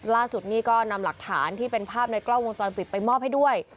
ล่าสุดนี่ก็นำหลักฐานที่เป็นภาพในกล้องวงจรปิดไปมอบให้ด้วย